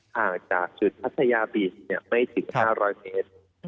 ห่างจากจุดพัทยาบีชไม่ถึง๕๐๐เมตร